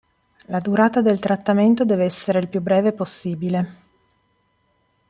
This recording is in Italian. La durata del trattamento deve essere il più breve possibile.